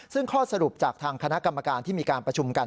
ซึ่งข้อสรุปจากทางคณะกรรมการที่มีการประชุมกัน